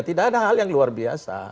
tidak ada hal yang luar biasa